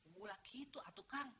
bula gitu atukang